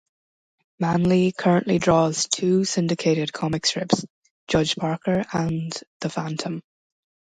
Manley currently draws two syndicated comic strips, "Judge Parker" and "The Phantom".